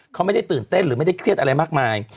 เขาไม่ได้ตื่นเต้นหรือไม่ได้เครียดอะไรมากมาย